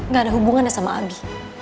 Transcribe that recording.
gak ada hubungannya sama abi